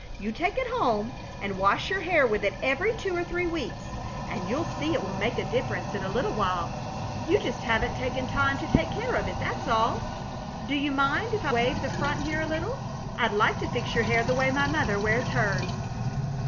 You take it home and wash your hair with it every two or three weeks and you'll see it will make a difference in a little while. You just haven't taken time to take care of it, that's all. Do you mind if I wave the front here a little? I'd like to fix your hair the way my mother wears hers."